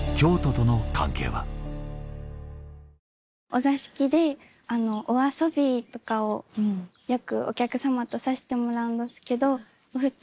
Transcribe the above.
お座敷でお遊びとかをよくお客様とさせてもらうんどすけど。